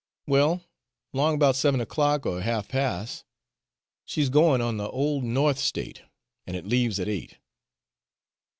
"Well, 'long 'bout seven o'clock or half pas'. She's goin' on the Old North State, an' it leaves at eight."